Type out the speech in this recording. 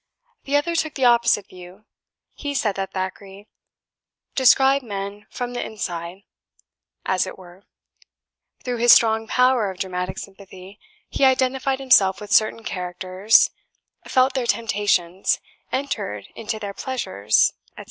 The other took the opposite view. He said that Thackeray described men from the inside, as it were; through his strong power of dramatic sympathy, he identified himself with certain characters, felt their temptations, entered into their pleasures, etc.